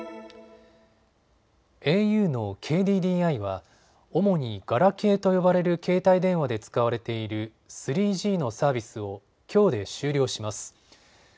ａｕのＫＤＤＩは主にガラケーと呼ばれる携帯電話で使われている３Ｇのサービスをきょうで終了します。